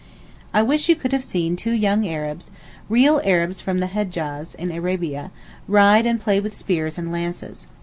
I wish you could have seen two young Arabs (real Arabs from the Hedjaz, in Arabia) ride and play with spears and lances.